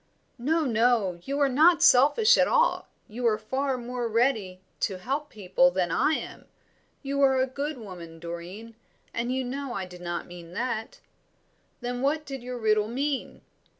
"No, no, you are not selfish at all, you are far more ready to help people than I am. You are a good woman, Doreen, and you know I did not mean that." "Then what did your riddle mean?"